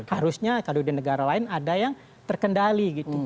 harusnya kalau di negara lain ada yang terkendali gitu